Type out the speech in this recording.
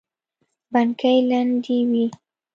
بڼکې لندې وې.